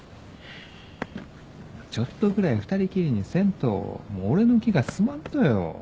ちょっとぐらい２人きりにせんともう俺の気が済まんとよ。